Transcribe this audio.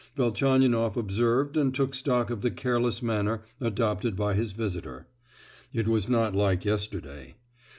Velchaninoff observed and took stock of the careless manner adopted by his visitor; it was not like yesterday.